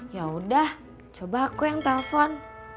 yaudah coba aku yang telfon